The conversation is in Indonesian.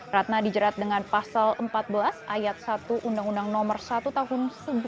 ratna dijerat dengan pasal empat belas ayat satu undang undang nomor satu tahun seribu sembilan ratus empat puluh lima